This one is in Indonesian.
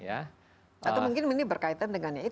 atau mungkin ini berkaitan dengan ini